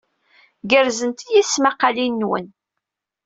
Gerẓent-iyi tesmaqqalin-nwen.